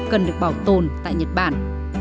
cần được bảo tồn tại nhật bản